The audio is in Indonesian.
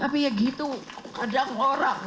tapi ya gitu kadang orang